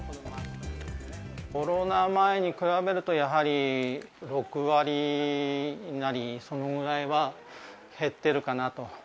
コロナ前に比べると、６割、そのぐらいは減っているかなと。